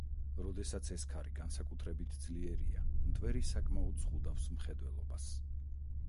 როდესაც ეს ქარი განსაკუთრებით ძლიერია, მტვერი საკმაოდ ზღუდავს მხედველობას.